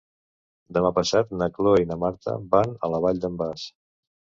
Demà passat na Cloè i na Marta van a la Vall d'en Bas.